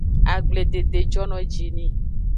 Agbledede jono ji ni.